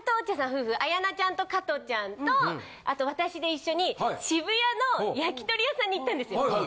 夫婦綾菜ちゃんと加トちゃんとあと私で一緒に渋谷の焼き鳥屋さんに行ったんですよ。